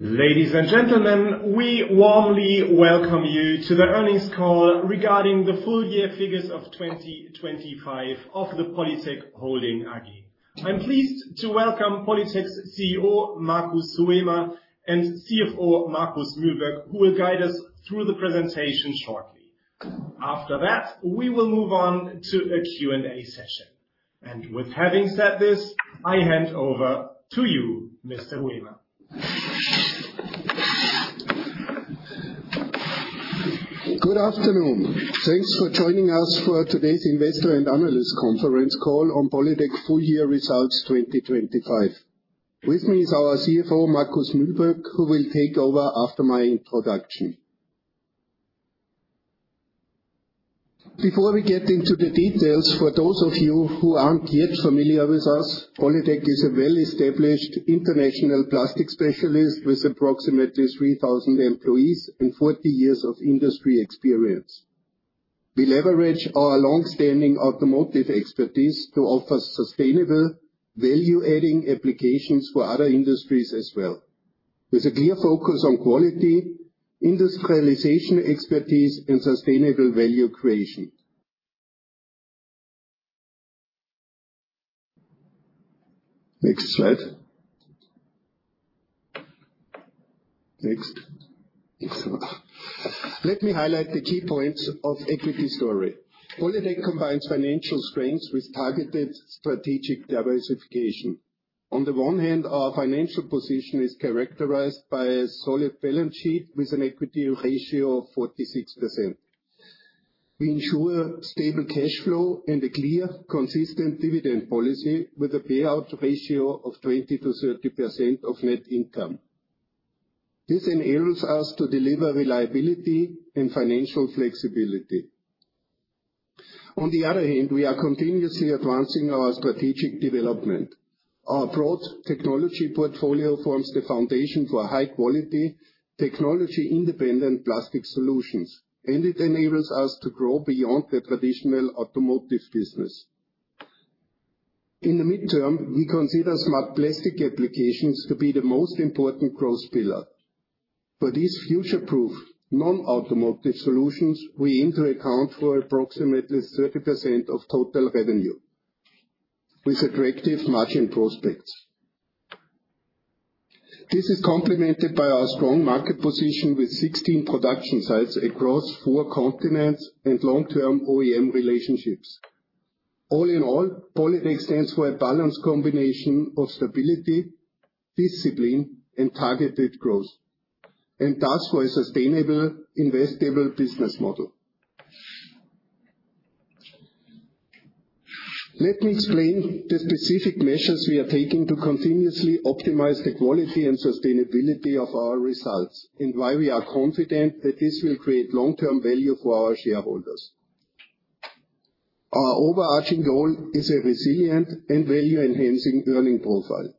Ladies and gentlemen, we warmly welcome you to the earnings call regarding the full year figures of 2025 of the POLYTEC HOLDING AG. I'm pleased to welcome POLYTECs CEO, Markus Huemer, and CFO, Markus Mühlböck, who will guide us through the presentation shortly. After that, we will move on to a Q&A session. With having said this, I hand over to you, Mr. Huemer. Good afternoon. Thanks for joining us for today's investor and analyst conference call on POLYTEC full year results 2025. With me is our CFO, Markus Mühlböck, who will take over after my introduction. Before we get into the details, for those of you who aren't yet familiar with us, POLYTEC is a well-established international plastic specialist with approximately 3,000 employees and 40 years of industry experience. We leverage our longstanding automotive expertise to offer sustainable value-adding applications for other industries as well. With a clear focus on quality, industrialization expertise, and sustainable value creation. Next slide. Next. Let me highlight the key points of equity story. POLYTEC combines financial strengths with targeted strategic diversification. On the one hand, our financial position is characterized by a solid balance sheet with an equity ratio of 46%. We ensure stable cash flow and a clear, consistent dividend policy with a payout ratio of 20%-30% of net income. This enables us to deliver reliability and financial flexibility. On the other hand, we are continuously advancing our strategic development. Our broad technology portfolio forms the foundation for high-quality technology, independent plastic solutions, and it enables us to grow beyond the traditional automotive business. In the midterm, we consider smart plastic applications to be the most important growth pillar. For these future-proof non-automotive solutions, we enter account for approximately 30% of total revenue with attractive margin prospects. This is complemented by our strong market position with 16 production sites across four continents and long-term OEM relationships. All in all, POLYTEC stands for a balanced combination of stability, discipline, and targeted growth, and thus for a sustainable investable business model. Let me explain the specific measures we are taking to continuously optimize the quality and sustainability of our results and why we are confident that this will create long-term value for our shareholders. Our overarching goal is a resilient and value-enhancing earning profile.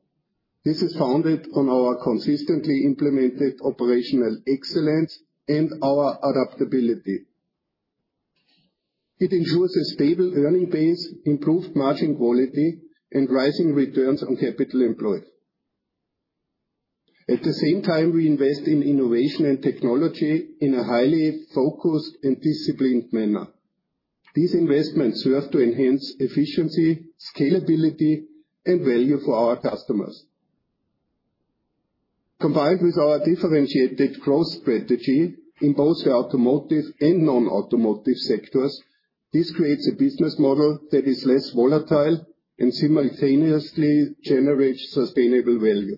This is founded on our consistently implemented operational excellence and our adaptability. It ensures a stable earning base, improved margin quality, and rising return on capital employed. At the same time, we invest in innovation and technology in a highly focused and disciplined manner. These investments serve to enhance efficiency, scalability, and value for our customers. Combined with our differentiated growth strategy in both the automotive and non-automotive sectors, this creates a business model that is less volatile and simultaneously generates sustainable value.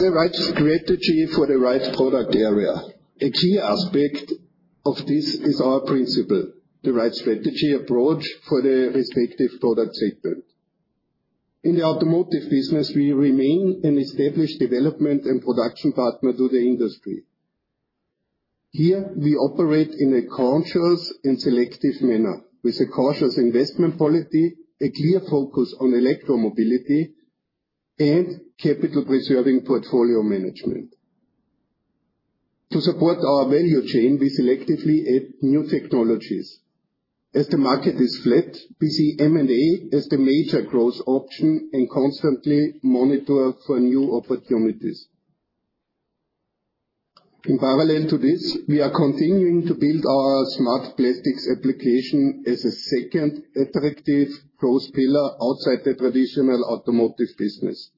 The right strategy for the right product area. A key aspect of this is our principle, the right strategy approach for the respective product segment. In the automotive business, we remain an established development and production partner to the industry. Here we operate in a conscious and selective manner with a cautious investment quality, a clear focus on electromobility and capital preserving portfolio management. To support our value chain, we selectively add new technologies. As the market is flat, we see M&A as the major growth option and constantly monitor for new opportunities. In parallel to this, we are continuing to build our smart plastics application as a second attractive growth pillar outside the traditional automotive business.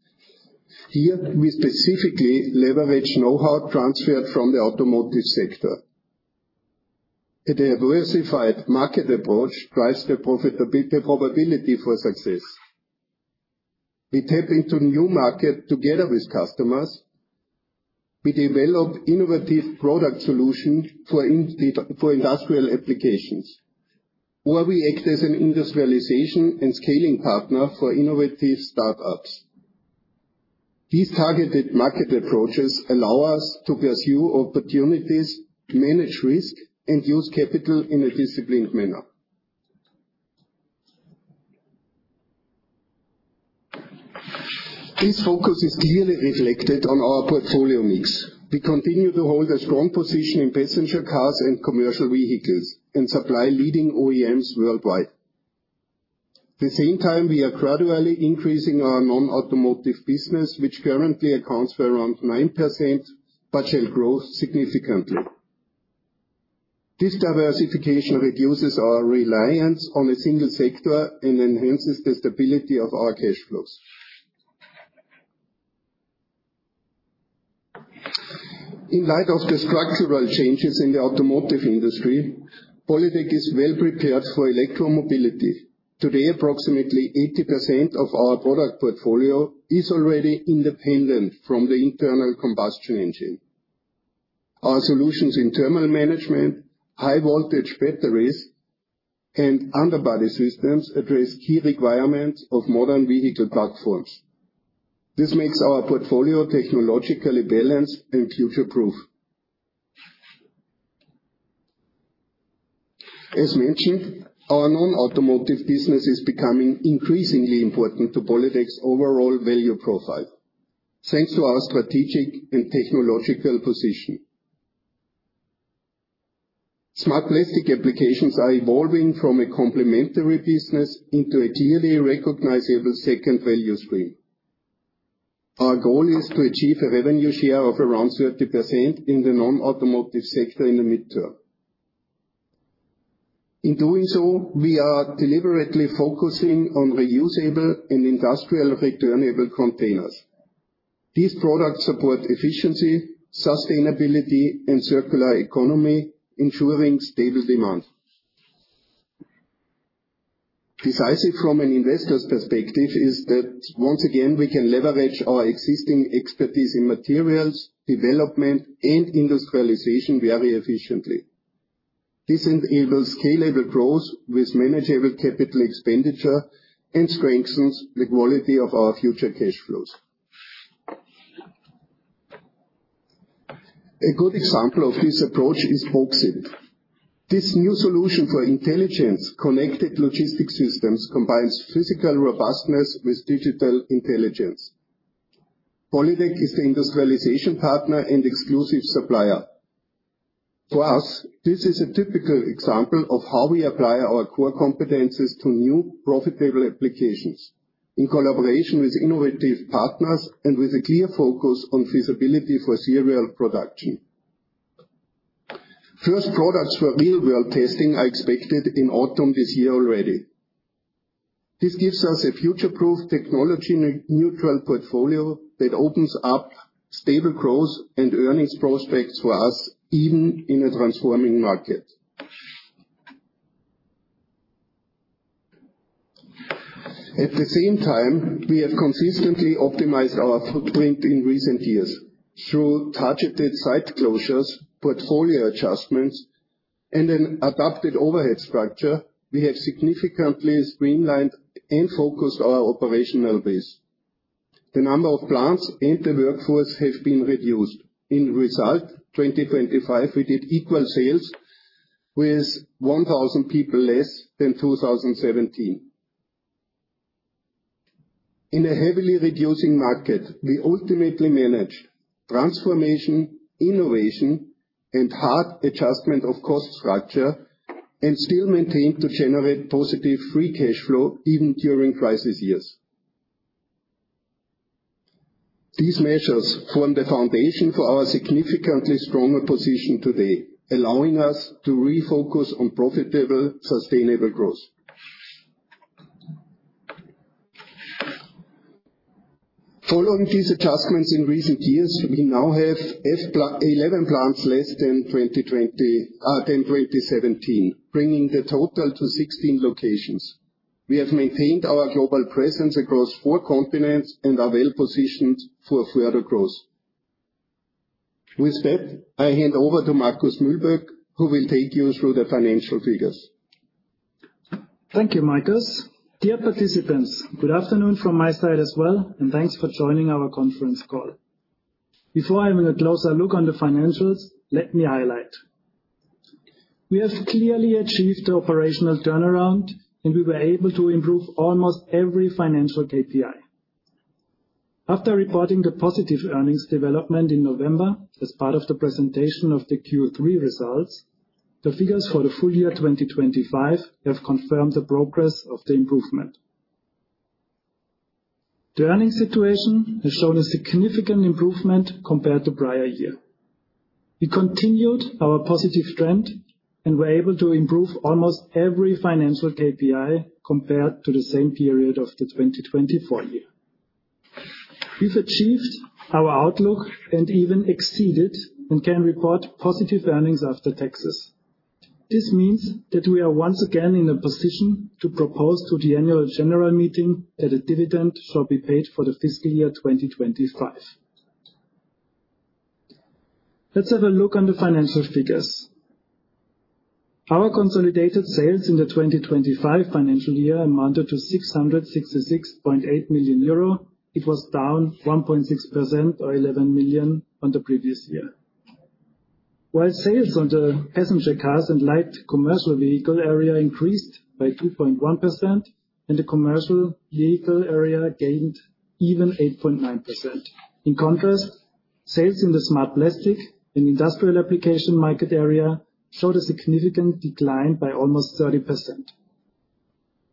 Here, we specifically leverage know-how transferred from the automotive sector. The diversified market approach drives the profitability probability for success. We tap into new market together with customers. We develop innovative product solutions for industrial applications, or we act as an industrialization and scaling partner for innovative startups. These targeted market approaches allow us to pursue opportunities to manage risk and use capital in a disciplined manner. This focus is clearly reflected on our portfolio mix. We continue to hold a strong position in passenger cars and commercial vehicles and supply leading OEMs worldwide. The same time, we are gradually increasing our non-automotive business, which currently accounts for around 9%, but shall grow significantly. This diversification reduces our reliance on a single sector and enhances the stability of our cash flows. In light of the structural changes in the automotive industry, POLYTEC is well prepared for electromobility. Today, approximately 80% of our product portfolio is already independent from the internal combustion engine. Our solutions in thermal management, high voltage batteries, and underbody systems address key requirements of modern vehicle platforms. This makes our portfolio technologically balanced and future-proof. As mentioned, our non-automotive business is becoming increasingly important to POLYTEC's overall value profile. Thanks to our strategic and technological position. Smart plastic applications are evolving from a complementary business into a clearly recognizable second value stream. Our goal is to achieve a revenue share of around 30% in the non-automotive sector in the midterm. In doing so, we are deliberately focusing on reusable and industrial returnable containers. These products support efficiency, sustainability, and circular economy, ensuring stable demand. Decisive from an investor's perspective is that once again, we can leverage our existing expertise in materials, development, and industrialization very efficiently. This enables scalable growth with manageable capital expenditure and strengthens the quality of our future cash flows. A good example of this approach is BOOXit. This new solution for intelligence-connected logistics systems combines physical robustness with digital intelligence. POLYTEC is the industrialization partner and exclusive supplier. To us, this is a typical example of how we apply our core competencies to new profitable applications in collaboration with innovative partners and with a clear focus on feasibility for serial production. First products for real-world testing are expected in autumn this year already. This gives us a future-proof technology in a neutral portfolio that opens up stable growth and earnings prospects for us even in a transforming market. At the same time, we have consistently optimized our footprint in recent years. Through targeted site closures, portfolio adjustments, and an adapted overhead structure, we have significantly streamlined and focused our operational base. The number of plants and the workforce have been reduced. In result, 2025, we did equal sales with 1,000 people less than 2017. In a heavily reducing market, we ultimately manage transformation, innovation, and hard adjustment of cost structure and still maintain to generate positive free cash flow even during crisis years. These measures form the foundation for our significantly stronger position today, allowing us to refocus on profitable, sustainable growth. Following these adjustments in recent years, we now have 11 plants less than 2017, bringing the total to 16 locations. We have maintained our global presence across four continents and are well-positioned for further growth. With that, I hand over to Markus Mühlböck, who will take you through the financial figures. Thank you, Markus. Dear participants, good afternoon from my side as well, and thanks for joining our conference call. Before having a closer look on the financials, let me highlight. We have clearly achieved the operational turnaround, and we were able to improve almost every financial KPI. After reporting the positive earnings development in November as part of the presentation of the Q3 results, the figures for the full year 2025 have confirmed the progress of the improvement. The earning situation has shown a significant improvement compared to prior year. We continued our positive trend and were able to improve almost every financial KPI compared to the same period of the 2024 year. We've achieved our outlook and even exceeded and can report positive earnings after taxes. This means that we are once again in a position to propose to the annual general meeting that a dividend shall be paid for the fiscal year 2025. Let's have a look on the financial figures. Our consolidated sales in the 2025 financial year amounted to 666.8 million euro. It was down 1.6% or 11 million on the previous year. Sales on the passenger cars and light commercial vehicle area increased by 2.1%, and the commercial vehicle area gained even 8.9%. In contrast, sales in the smart plastic and industrial application market area showed a significant decline by almost 30%.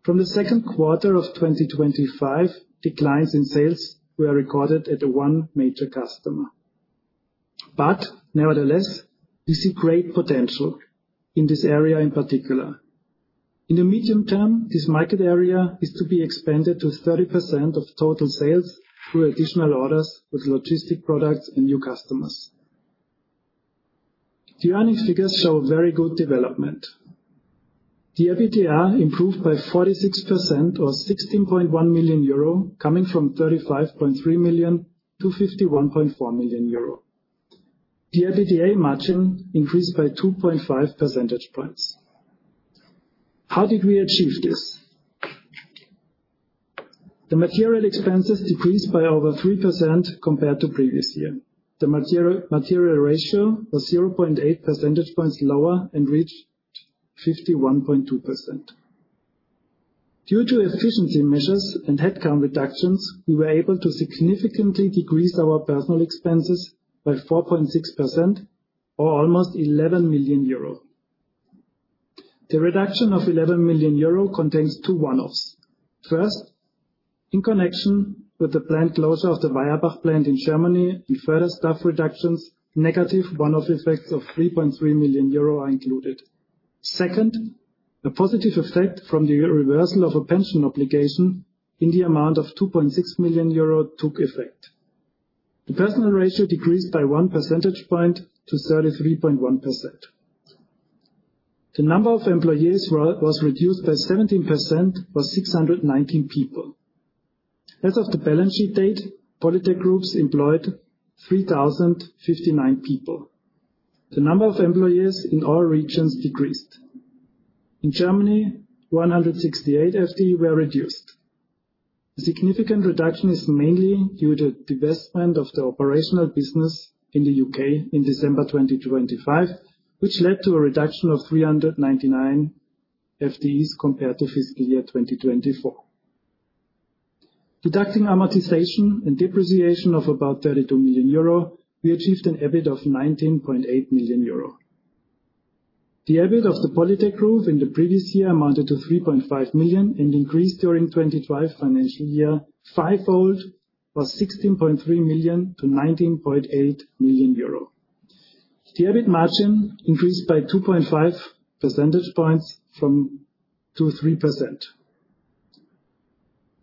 From the second quarter of 2025, declines in sales were recorded at one major customer. Nevertheless, we see great potential in this area, in particular. In the medium term, this market area is to be expanded to 30% of total sales through additional orders with logistic products and new customers. The earnings figures show very good development. The EBITDA improved by 46% or 16.1 million euro, coming from 35.3 million to 51.4 million euro. The EBITDA margin increased by 2.5 percentage points. How did we achieve this? The material expenses decreased by over 3% compared to previous year. The material ratio was 0.8 percentage points lower and reached 51.2%. Due to efficiency measures and headcount reductions, we were able to significantly decrease our personal expenses by 4.6% or almost 11 million euro. The reduction of 11 million euro contains two one-offs. In connection with the planned closure of the Weiherbach plant in Germany and further staff reductions, negative one-off effects of 3.3 million euro are included. A positive effect from the reversal of a pension obligation in the amount of 2.6 million euro took effect. The personnel ratio decreased by one percentage point to 33.1%. The number of employees was reduced by 17% or 619 people. As of the balance sheet date, POLYTEC GROUP employed 3,059 people. The number of employees in all regions decreased. In Germany, 168 FTE were reduced. The significant reduction is mainly due to divestment of the operational business in the U.K. in December 2025, which led to a reduction of 399 FTEs compared to fiscal year 2024. Deducting amortization and depreciation of about 32 million euro, we achieved an EBIT of 19.8 million euro. The EBIT of the POLYTEC GROUP in the previous year amounted to 3.5 million and increased during 2025 financial year fivefold or 16.3 million to 19.8 million euro. The EBIT margin increased by 2.5 percentage points from 2.3%.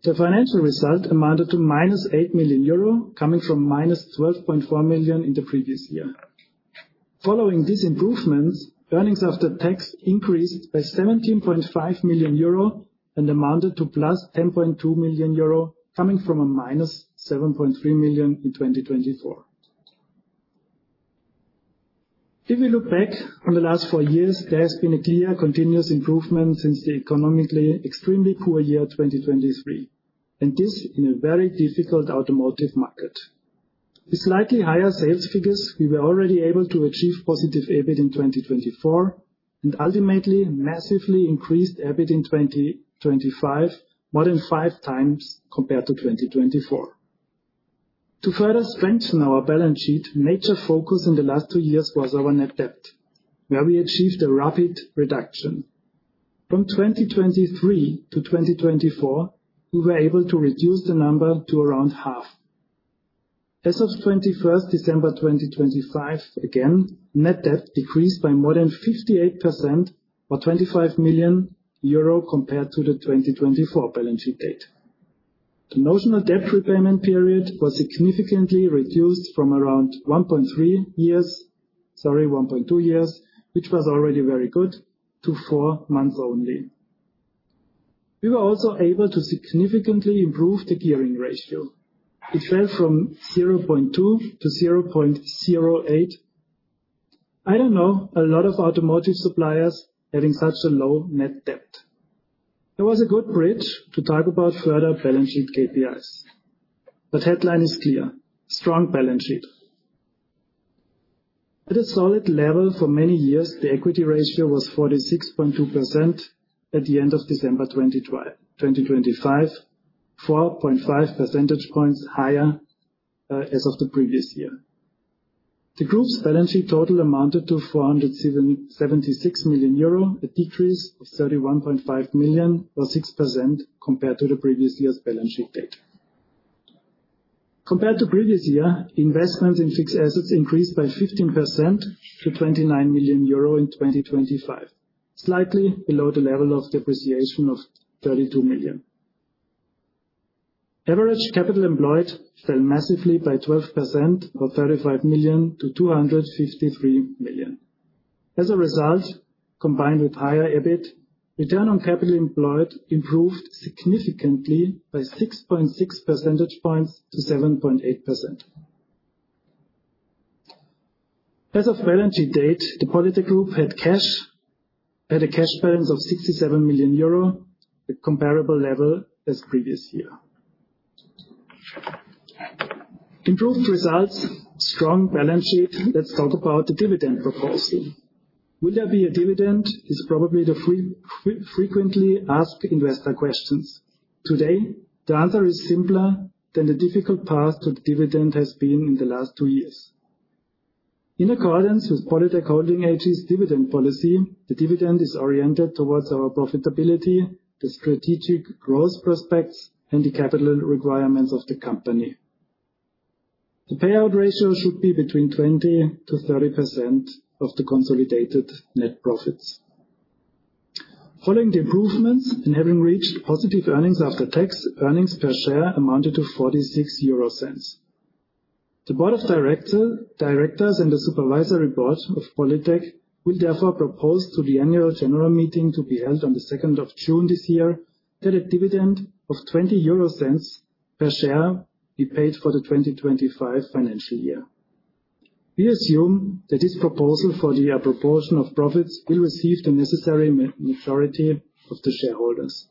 The financial result amounted to -8 million euro, coming from -12.4 million in the previous year. Following these improvements, earnings after tax increased by 17.5 million euro and amounted to +10.2 million euro, coming from a -7.3 million in 2024. If we look back on the last four years, there has been a clear, continuous improvement since the economically extremely poor year, 2023, and this in a very difficult automotive market. With slightly higher sales figures, we were already able to achieve positive EBIT in 2024 and ultimately massively increased EBIT in 2025 more than 5x compared to 2024. To further strengthen our balance sheet, major focus in the last two years was our net debt, where we achieved a rapid reduction. From 2023 to 2024, we were able to reduce the number to around half. As of 21st December 2025, again, net debt decreased by more than 58% or 25 million euro compared to the 2024 balance sheet date. The notional debt repayment period was significantly reduced from around 1.3 years, sorry, 1.2 years, which was already very good, to four months only. We were also able to significantly improve the gearing ratio. It fell from 0.2 to 0.08. I don't know a lot of automotive suppliers having such a low net debt. It was a good bridge to talk about further balance sheet KPIs. Headline is clear, strong balance sheet. At a solid level for many years, the equity ratio was 46.2% at the end of December 2025, 4.5 percentage points higher as of the previous year. The group's balance sheet total amounted to 476 million euro, a decrease of 31.5 million or 6% compared to the previous year's balance sheet date. Compared to previous year, investment in fixed assets increased by 15% to 29 million euro in 2025, slightly below the level of depreciation of 32 million. Average capital employed fell massively by 12% or 35 million to 253 million. As a result, combined with higher EBIT, return on capital employed improved significantly by 6.6 percentage points to 7.8%. As of balance sheet date, the POLYTEC GROUP had a cash balance of 67 million euro, the comparable level as previous year. Improved results, strong balance sheet. Let's talk about the dividend proposal. Will there be a dividend? Is probably the frequently asked investor questions. Today, the answer is simpler than the difficult path to the dividend has been in the last two years. In accordance with POLYTEC HOLDING AG's dividend policy, the dividend is oriented towards our profitability, the strategic growth prospects, and the capital requirements of the company. The payout ratio should be between 20%-30% of the consolidated net profits. Following the improvements and having reached positive earnings after tax, earnings per share amounted to 0.46. The board of directors and the supervisory board of POLYTEC will therefore propose to the annual general meeting to be held on the 2nd of June this year that a dividend of 0.20 per share be paid for the 2025 financial year. We assume that this proposal for the proportion of profits will receive the necessary majority of the shareholders.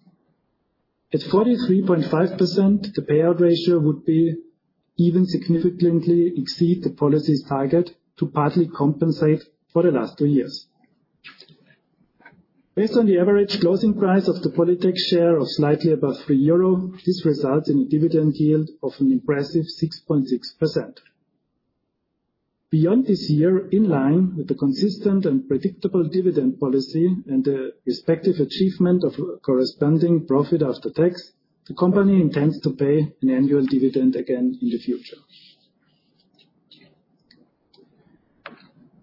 At 43.5%, the payout ratio would even significantly exceed the policy's target to partly compensate for the last two years. Based on the average closing price of the POLYTEC share of slightly above 3 euro, this results in a dividend yield of an impressive 6.6%. Beyond this year, in line with the consistent and predictable dividend policy and the respective achievement of corresponding profit after tax, the company intends to pay an annual dividend again in the future.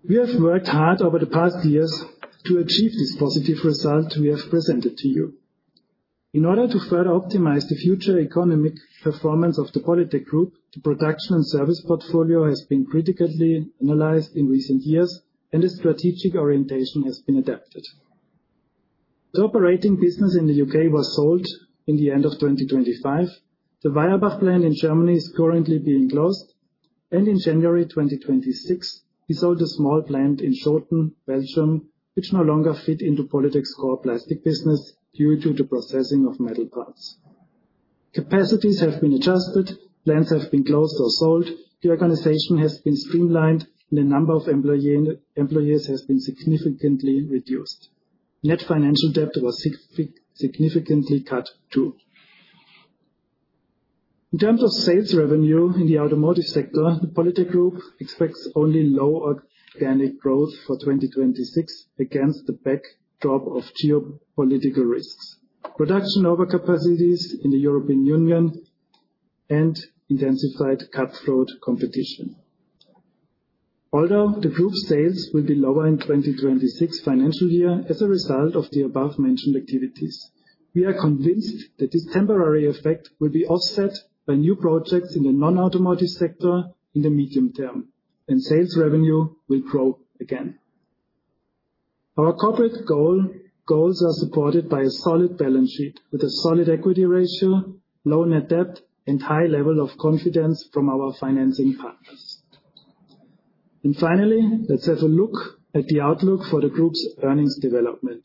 We have worked hard over the past years to achieve this positive result we have presented to you. In order to further optimize the future economic performance of the POLYTEC GROUP, the production and service portfolio has been critically analyzed in recent years, and the strategic orientation has been adapted. The operating business in the U.K. was sold in the end of 2025. The Weiherbach plant in Germany is currently being closed. In January 2026, we sold a small plant in Schoten, Belgium, which no longer fit into POLYTEC's core plastic business due to the processing of metal parts. Capacities have been adjusted, plants have been closed or sold. The organization has been streamlined, and the number of employees has been significantly reduced. Net financial debt was significantly cut, too. In terms of sales revenue in the automotive sector, the POLYTEC GROUP expects only low organic growth for 2026 against the backdrop of geopolitical risks, production overcapacities in the European Union and intensified cutthroat competition. Although the group's sales will be lower in 2026 financial year as a result of the above-mentioned activities, we are convinced that this temporary effect will be offset by new projects in the non-automotive sector in the medium term, and sales revenue will grow again. Our corporate goals are supported by a solid balance sheet with a solid equity ratio, low net debt, and high level of confidence from our financing partners. Finally, let's have a look at the outlook for the group's earnings development.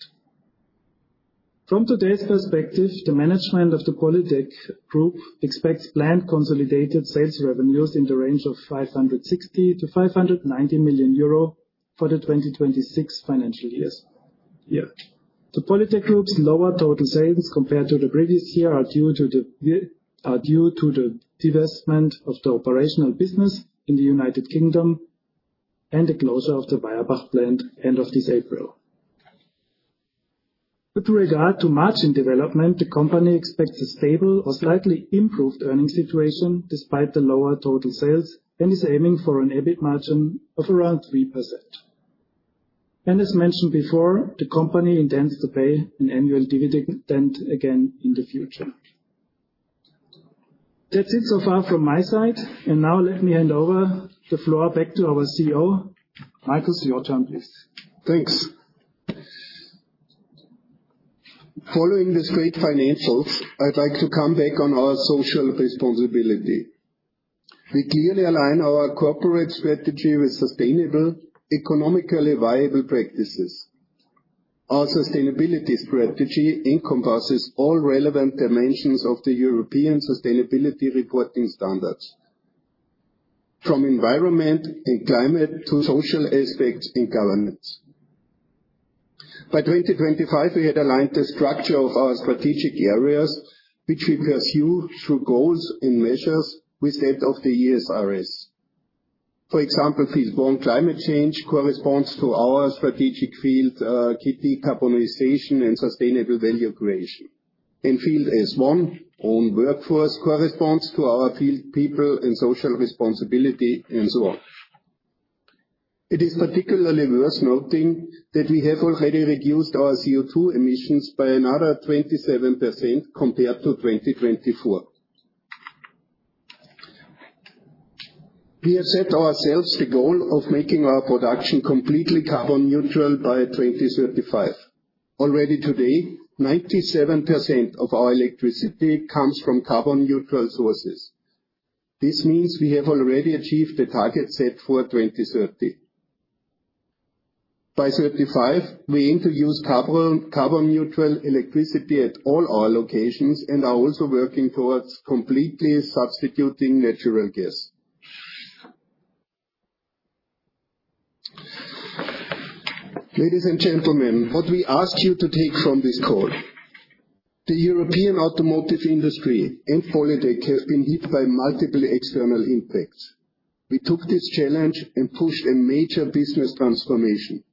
From today's perspective, the management of the POLYTEC GROUP expects planned consolidated sales revenues in the range of 560 million-590 million euro for the 2026 financial year. The POLYTEC GROUP's lower total sales compared to the previous year are due to the divestment of the operational business in the United Kingdom and the closure of the Weiherbach plant end of this April. With regard to margin development, the company expects a stable or slightly improved earning situation despite the lower total sales, and is aiming for an EBIT margin of around 3%. As mentioned before, the company intends to pay an annual dividend again in the future. That's it so far from my side. Now, let me hand over the floor back to our CEO. Markus, it's your turn, please. Thanks. Following these great financials, I'd like to come back on our social responsibility. We clearly align our corporate strategy with sustainable, economically viable practices. Our sustainability strategy encompasses all relevant dimensions of the European sustainability reporting standards, from environment and climate to social aspects and governance. By 2025, we had aligned the structure of our strategic areas, which we pursue through goals and measures, with that of the ESRS. For example, Field E1, climate change, corresponds to our strategic field, key decarbonization and sustainable value creation. Field S1, own workforce corresponds to our field people and social responsibility, and so on. It is particularly worth noting that we have already reduced our CO2 emissions by another 27% compared to 2024. We have set ourselves the goal of making our production completely carbon neutral by 2035. Already today, 97% of our electricity comes from carbon-neutral sources. This means we have already achieved the target set for 2030. By 2035, we aim to use carbon-neutral electricity at all our locations and are also working towards completely substituting natural gas. Ladies and gentlemen, what we ask you to take from this call. The European automotive industry and POLYTEC have been hit by multiple external impacts. We took this challenge and pushed a major business transformation.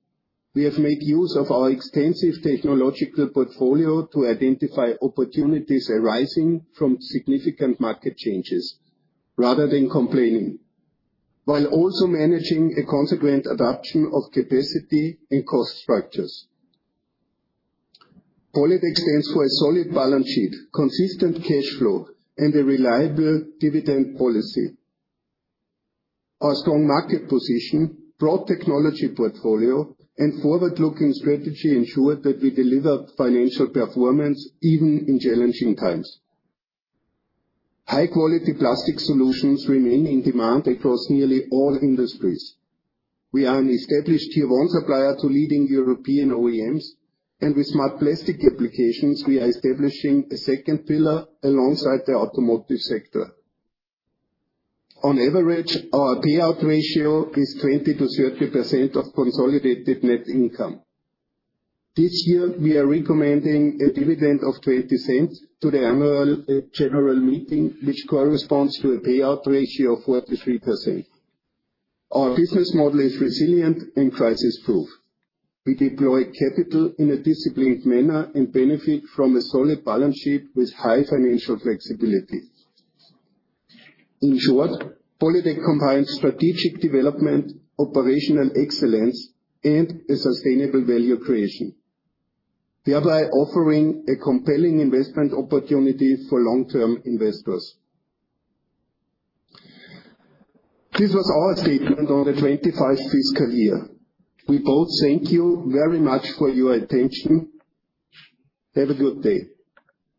We have made use of our extensive technological portfolio to identify opportunities arising from significant market changes rather than complaining, while also managing a consequent adaption of capacity and cost structures. POLYTEC stands for a solid balance sheet, consistent cash flow, and a reliable dividend policy. Our strong market position, broad technology portfolio, and forward-looking strategy ensure that we deliver financial performance even in challenging times. High-quality plastic solutions remain in demand across nearly all industries. We are an established Tier 1 supplier to leading European OEMs, and with smart plastic applications, we are establishing a second pillar alongside the automotive sector. On average, our payout ratio is 20%-30% of consolidated net income. This year, we are recommending a dividend of 0.20 to the annual general meeting, which corresponds to a payout ratio of 43%. Our business model is resilient and crisis-proof. We deploy capital in a disciplined manner and benefit from a solid balance sheet with high financial flexibility. In short, POLYTEC combines strategic development, operational excellence, and a sustainable value creation, thereby offering a compelling investment opportunity for long-term investors. This was our statement on the FY 2025. We both thank you very much for your attention. Have a good day.